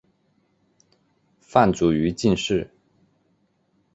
范祖禹进士。